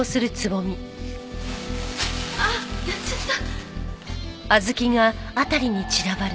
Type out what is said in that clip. あっやっちゃった。